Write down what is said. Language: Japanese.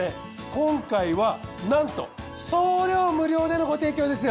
今回はなんと送料無料でのご提供ですよ。